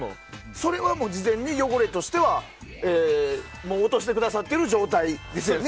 それは事前に、汚れとしては落としてくださっている状態ですよね。